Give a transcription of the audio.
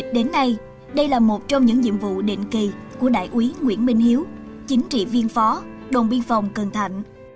từ đầu mùa dịch đến nay đây là một trong những nhiệm vụ định kỳ của đại úy nguyễn minh hiếu chính trị viên phó đồng biên phòng cần thạnh